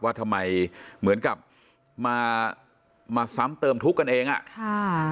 ว่าทำไมเหมือนกับมามาซ้ำเติมทุกข์กันเองอ่ะค่ะ